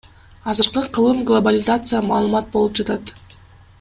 Азыркы кылым глобализация, маалымат болуп жатат.